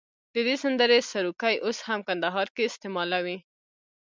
د دې سندرې سروکي اوس هم کندهار کې استعمالوي.